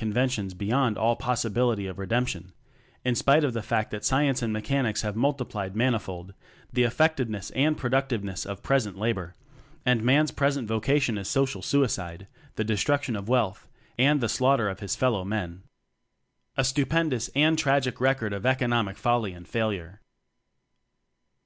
conventions beyond all possibility of redemption (in spite of the fact that science and mechanics have multiplied manifold the effectiveness and produc tiveness of present labor); and Man's present vocation is social suicide the destruction of w r ealth and the slaugh ter of his fellow men! A stupendous and tragic record of "Economic" folly and failure!.